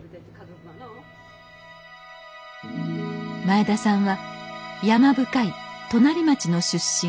前田さんは山深い隣町の出身。